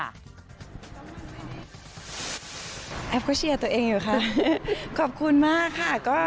แอฟก็เชียร์ตัวเองอยู่ค่ะขอบคุณมากค่ะ